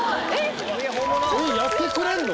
えっやってくれんの？